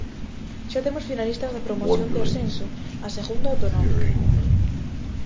Xa temos finalistas da promoción de ascenso a segunda autonómica.